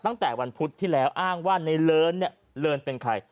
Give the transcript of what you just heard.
ตั้งแต่วันพุธที่แล้วอ้างว่าในเลินเนี่ยเลินเป็นใคร